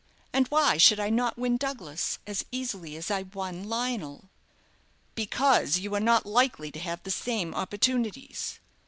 And why should I not win Douglas as easily as I won Lionel?" "Because you are not likely to have the same opportunities."